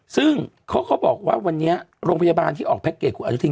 ซึ่งเขาก็บอกว่าวันนี้โรงพยาบาลที่ออกแพ็คเกจคุณอนุทิน